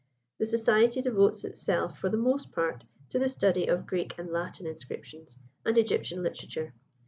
The society devotes itself for the most part to the study of Greek and Latin inscriptions and Egyptian literature.